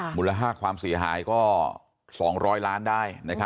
มูลค่าความเสียหายก็๒๐๐ล้านได้